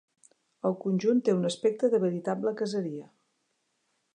El conjunt té un aspecte de veritable caseria.